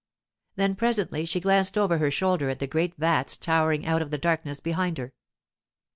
Then presently she glanced over her shoulder at the great vats towering out of the darkness behind her.